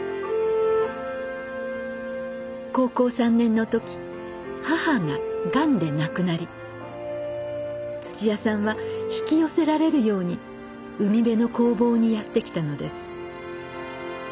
高校３年の時母ががんで亡くなり土屋さんは引き寄せられるように海辺の工房にやって来たのです。